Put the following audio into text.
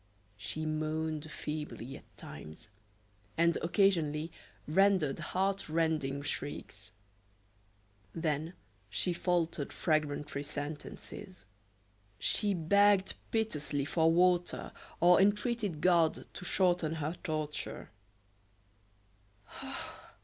She moaned feebly at times, and occasionally rendered heart rending shrieks. Then she faltered fragmentary sentences; she begged piteously for water or entreated God to shorten her torture.